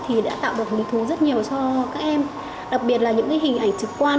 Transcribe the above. thì đã tạo được hứng thú rất nhiều cho các em đặc biệt là những hình ảnh trực quan